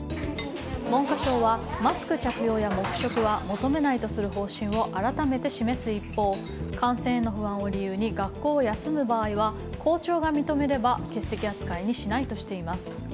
文科省はマスク着用や黙食は求めないとする方針を改めて示す一方感染への不安を理由に学校を休む場合は校長が認める場合は欠席扱いにしないとしています。